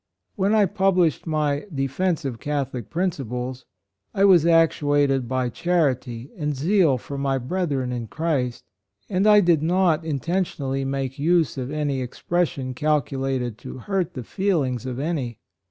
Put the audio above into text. "When I published my 'Defence of Catholic Principles,' I was actu ated by charity and zeal for my brethren in Christ, and I did not intentionally make use of any ex pression calculated to hurt the feelings of any.